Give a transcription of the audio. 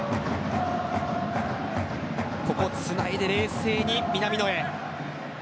つないで冷静に南野へ。